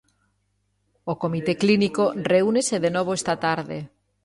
O comité clínico reúnese de novo esta tarde.